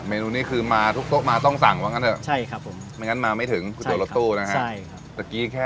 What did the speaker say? เมนูนี้คือมาทุกโต๊ะมาต้องสั่งบ้างกันด้วยใช่ครับผมไม่งั้นมาไม่ถึงกูเจาะรสตู้นะฮะใช่ครับ